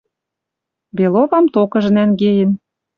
Беловам токыжы нӓнгеен.